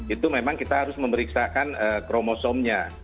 itu memang kita harus memeriksakan kromosomnya